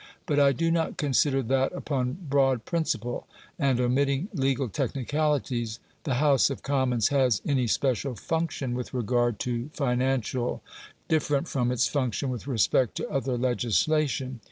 But I do not consider that, upon broad principle, and omitting legal technicalities, the House of Commons has any special function with regard to financial different from its functions with respect to other legislation.